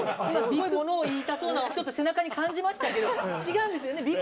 今すごいものを言いたそうなちょっと背中に感じましたけど違うんですよね